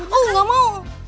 oh enggak mau